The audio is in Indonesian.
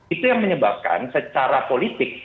itu yang menyebabkan secara politik